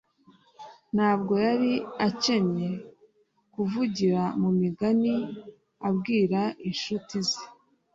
Ntabwo yari akencye kuvugira mu migani abwira incuti ze.